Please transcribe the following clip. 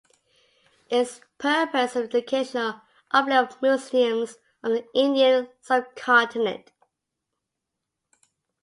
Its purpose is the educational uplift of Muslims of the Indian subcontinent.